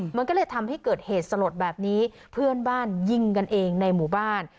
มันก็เลยทำให้เกิดเหตุสลดแบบนี้เพื่อนบ้านยิงกันเองในหมู่บ้าน